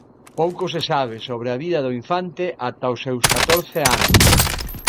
Pouco se sabe sobre a vida do infante ata os seus catorce anos.